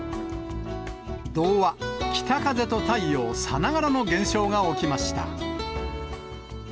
童話、北風と太陽さながらの現象が起きました。